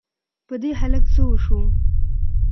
په دې هلک څه وشوو؟!